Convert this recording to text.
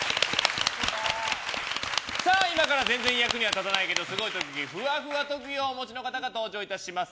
今から全然役には立たないけどすごい特技ふわふわ特技をお持ちの方が登場いたします。